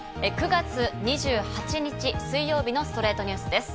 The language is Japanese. ９月２８日、水曜日の『ストレイトニュース』です。